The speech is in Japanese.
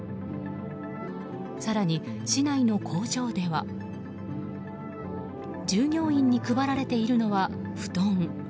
更に市内の工場では従業員に配られているのは布団。